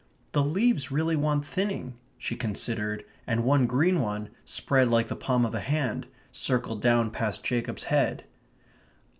"The leaves really want thinning," she considered, and one green one, spread like the palm of a hand, circled down past Jacob's head.